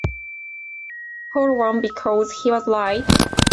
Paul won, because he was light.